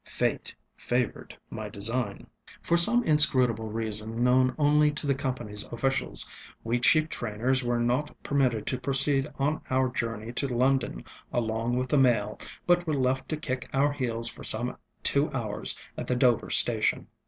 Fate favored my design. For some inscrutable reason, known only to the companyŌĆÖs officials, we cheap trainers were not permitted to proceed on our journey to London along with the mail, but were left to kick our heels for some two hours at the Dover station.